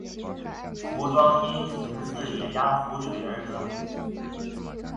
凫庄因形似野鸭浮水而得名。